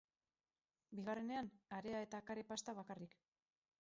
Bigarrenean, harea eta kare pasta bakarrik.